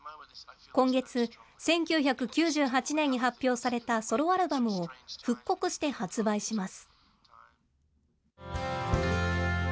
今月、１９９８年に発表されたソロアルバムを復刻して発売します。